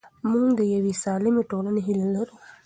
موږ د یوې سالمې ټولنې هیله لرو.